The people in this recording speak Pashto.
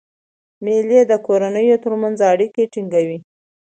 مېلې د کورنۍ ترمنځ اړیکي ټینګوي.